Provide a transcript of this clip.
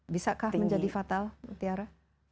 bisakah menjadi fatal tiara